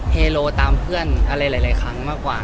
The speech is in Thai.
เฮโลตามเพื่อนอะไรหลายครั้งมากกว่า